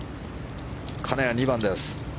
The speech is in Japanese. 金谷、２番です。